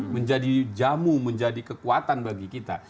menjadi jamu menjadi kekuatan bagi kita